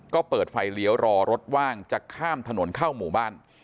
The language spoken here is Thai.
ก็เปิดไฟเลี้ยวรอรถว่างจะข้ามถนนเข้าหมู่บ้าน